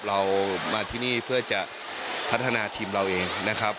เรามาที่นี่เพื่อจะพัฒนาทีมเราเองนะครับ